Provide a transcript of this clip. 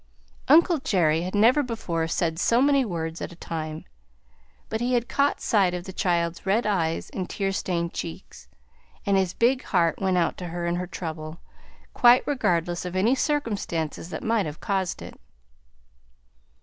Uncle Jerry had never before said so many words at a time, but he had caught sight of the child's red eyes and tear stained cheeks, and his big heart went out to her in her trouble, quite regardless of any circumstances that might have caused it.